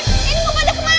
eh ini mau pada kemana